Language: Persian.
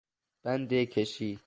بند کشی